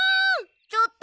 ちょっと！